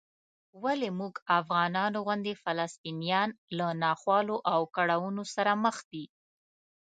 ولې موږ افغانانو غوندې فلسطینیان له ناخوالو او کړاوونو سره مخ دي؟